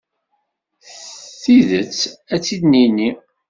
Tidet, ad tt-id-tini.